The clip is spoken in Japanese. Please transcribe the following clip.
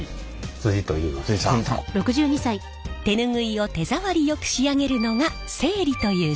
手ぬぐいを手触りよく仕上げるのが整理という仕事。